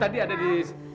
tadi ada di